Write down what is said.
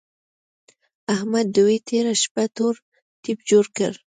احمد دوی تېره شپه تور تيپ جوړ کړ.